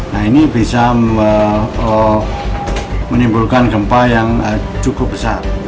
nah ini bisa menimbulkan gempa yang cukup besar